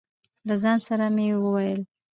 له ځان سره به مې وویل.